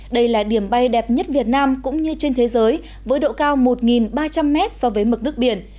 đây là điểm bay đẹp nhất việt nam cũng như trên thế giới với độ cao một ba trăm linh m so với mực nước biển